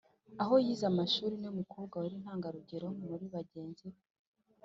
aho yize amashuri, ni we mukobwa wari intangarugero muri bagenzi be.